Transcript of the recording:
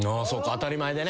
当たり前でね。